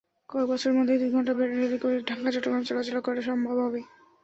কয়েক বছরের মধ্যেই দুই ঘণ্টায় রেলে করে ঢাকা-চট্টগ্রাম চলাচল করা সম্ভব হবে।